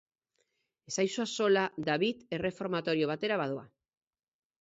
Ez zaizu axola David erreformatorio batera badoa.